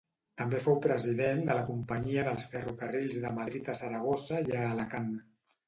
També fou president de la Companyia dels Ferrocarrils de Madrid a Saragossa i a Alacant.